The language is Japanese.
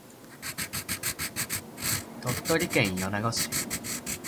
鳥取県米子市